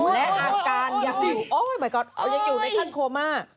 และอาการยังอยู่ในขั้นโคม่า